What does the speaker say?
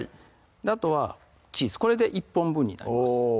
あとはチーズこれで１本分になります